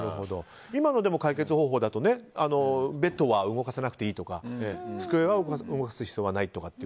今の解決方法だとベッドは動かさなくていいとか机は動かす必要はないとかって。